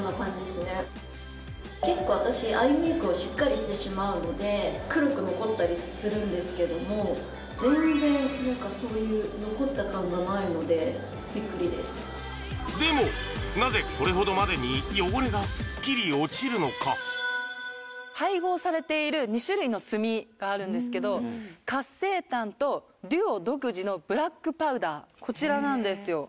結構私アイメイクをしっかりしてしまうので黒く残ったりするんですけども全然何かそういう残った感がないのでビックリですでもなぜこれほどまでに汚れがスッキリ落ちるのか？があるんですけどこちらなんですよ